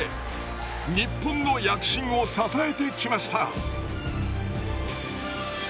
日本の躍進を支えてきました。